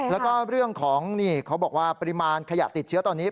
แล้วก็เรื่องของนี่เขาบอกว่าปริมาณขยะติดเชื้อตอนนี้